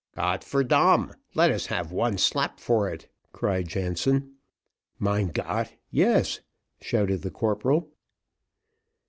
"Gott for dam let us have one slap for it," cried Jansen. "Mein Gott, yes," shouted the corporal.